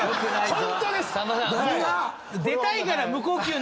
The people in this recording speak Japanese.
ホントです！